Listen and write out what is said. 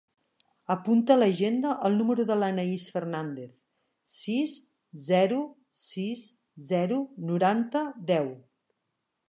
Apunta a l'agenda el número de l'Anaís Fernandez: sis, zero, sis, zero, noranta, deu.